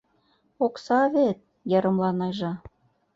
Окса вет... — йырымла Найжа.